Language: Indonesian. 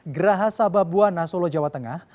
geraha sababwana solo jawa tengah